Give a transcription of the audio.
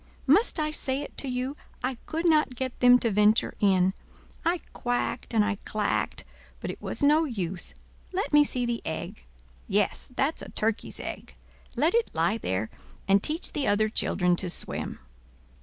Must I say it to you, I could not get them to venture in. I quacked and I clacked, but it was no use. Let me see the egg. Yes, that's a turkey's egg. Let it lie there, and teach the other children to swim."